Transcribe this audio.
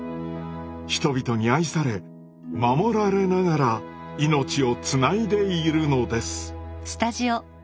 人々に愛され守られながら命をつないでいるのです。